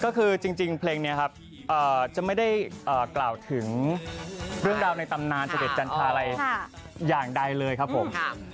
ก็คือจริงเพลงนี้ครับจะไม่ได้กล่าวถึงเรื่องราวในตำนานเสด็จจันทราอะไรอย่างใดเลยครับผม